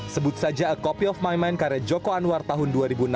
sebut saja a copy of my mind karya joko anwar tahun dua ribu enam belas